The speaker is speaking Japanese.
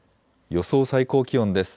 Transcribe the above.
予想最高気温です。